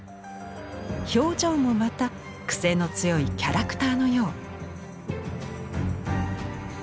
表情もまたクセの強いキャラクターのよう。